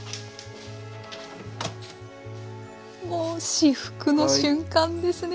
至福の瞬間ですね